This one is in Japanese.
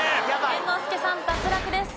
猿之助さん脱落です。